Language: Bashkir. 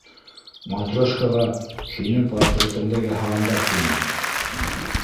Матрешкаға һинең портретыңды яһағандар, тинем.